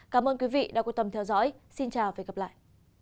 cảm ơn quý vị đã quan tâm theo dõi xin chào và hẹn gặp lại